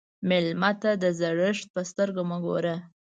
مېلمه ته د زړښت په سترګه مه ګوره.